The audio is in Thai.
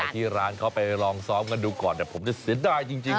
ไปที่ร้านเขาไปลองซ้อมกันดูก่อนแต่ผมได้เสียดายจริงแหละ